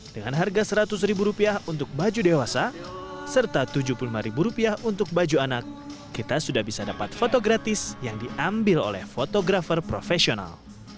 dengan harga seratus ribu rupiah untuk baju dewasa serta tujuh puluh lima ribu rupiah untuk baju anak kita sudah bisa dapat foto gratis yang diambil oleh fotografer profesional